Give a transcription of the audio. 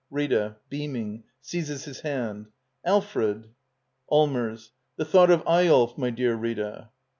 Rita. [Beaming, seizes his hand.] Alfred. Allmers. The thought of Eyolf, my dear Rita.